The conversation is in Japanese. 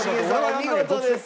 お見事です。